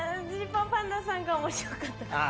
Ｇパンパンダさんが面白かったから。